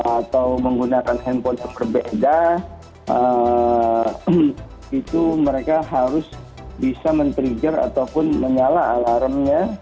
atau menggunakan handphone yang berbeda itu mereka harus bisa men trigger ataupun menyala alarmnya